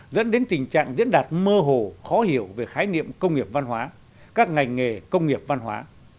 dẫn đến tình trạng diễn đạt mơ hồ khó hiểu về khái niệm công nghiệp văn hóa các ngành nghề công nghiệp văn hóa